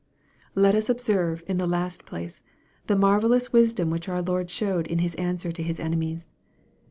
Let us observe, in the last place, the marvellous wisdom which our Lord showed in His answer to His enemies.